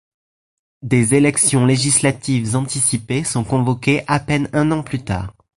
Des élections législatives anticipées sont convoquées à peine un an plus tard.